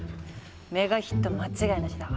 メガヒット間違いナシだわ。